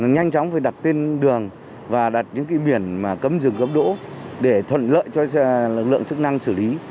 nhanh chóng phải đặt tên đường và đặt những biển mà cấm dừng cấm đỗ để thuận lợi cho lực lượng chức năng xử lý